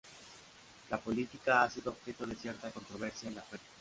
La política ha sido objeto de cierta controversia en la prensa.